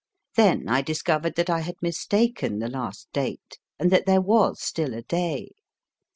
Then I discovered that I had mistaken the last date, and that there was still a day.